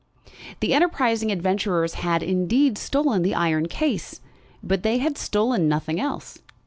The enterprising adventurers had, indeed, stolen the iron case, but they had stolen nothing else.